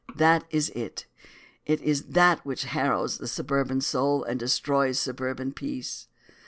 That is it. It is that which harrows the suburban soul and destroys suburban peace.